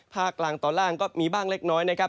ภาคกลางตอนล่างก็มีบ้างเล็กน้อยนะครับ